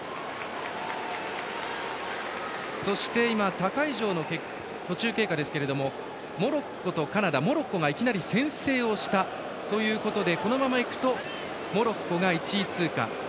他会場の途中経過ですけどモロッコとカナダいきなり先制をしたということでこのままいくとモロッコが１位通過。